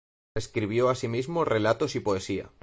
Escribió asimismo relatos y poesía.